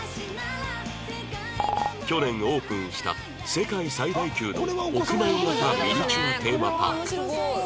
去年オープンした世界最大級の屋内型ミニチュア・テーマパーク